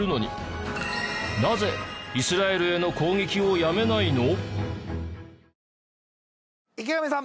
なぜイスラエルへの攻撃をやめないの？